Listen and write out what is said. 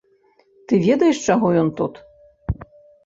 Ты ведаеш, чаго ён тут?